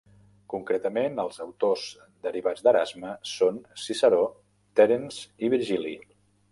Concretament, els autors derivats d'Erasme són Ciceró, Terence i Virgili.